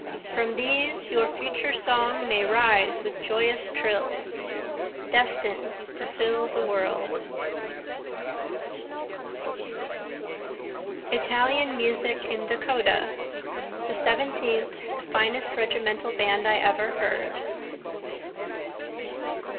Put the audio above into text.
From these your future song may rise with joyous trills, Destin'd to fill the world. Italian Music in Dakota ["The Seventeenth the finest Regimental Band I ever heard."